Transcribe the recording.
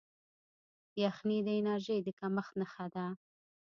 یخني د انرژۍ د کمښت نښه ده.